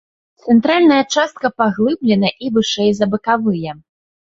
Цэнтральная частка паглыблена і вышэй за бакавыя.